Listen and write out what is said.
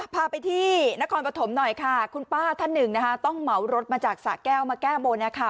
พาไปที่นครปฐมหน่อยค่ะคุณป้าท่านหนึ่งนะคะต้องเหมารถมาจากสะแก้วมาแก้บนนะคะ